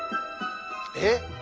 えっ？